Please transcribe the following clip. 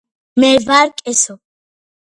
მე ვარ კესო